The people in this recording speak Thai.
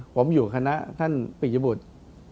ผมอยู่คณะท่านปิยบุตร